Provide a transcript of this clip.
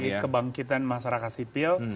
jadi kebangkitan masyarakat sipil